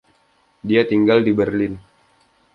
Dia tinggal di Berlin.